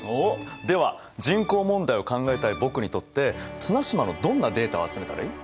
では人口問題を考えたい僕にとって綱島のどんなデータを集めたらいい？